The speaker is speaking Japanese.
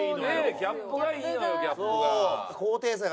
ギャップがいいのよギャップが。